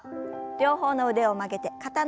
両方の腕を曲げて肩の横へ。